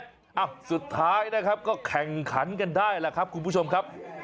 เอ้าสุดท้ายนะครับก็แข่งขันกันได้แหละครับคุณผู้ชมครับ